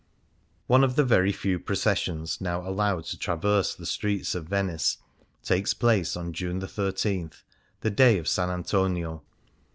One of the very few processions now allowed to traverse the streets of Venice takes place on June 13, the day of S. Antonio.